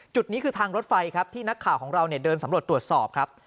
จุดนี้คือทางรถไฟครับที่นักข่าวของเราเดินสำรวจตรวจสอบครับ